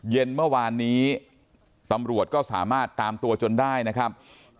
เย็นเมื่อวานนี้ตำรวจก็สามารถตามตัวจนได้นะครับ